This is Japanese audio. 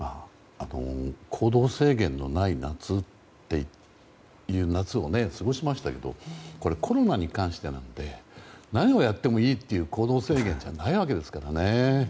行動制限のない夏を過ごしましたけどこれ、コロナに関してなので何をやってもいいという行動制限じゃないですからね。